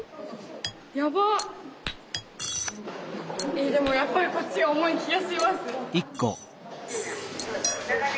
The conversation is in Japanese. えっでもやっぱりこっちが重い気がします。